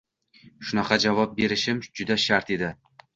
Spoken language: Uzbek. Shunaqa javob berishim juda shart edi.